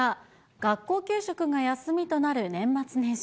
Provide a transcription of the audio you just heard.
学校給食が休みとなる年末年始。